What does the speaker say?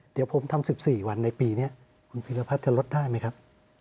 เดี๋ยวผมทำ๑๔วันในปีนี้คุณพีรพัฒน์จะลดได้ไหมครับ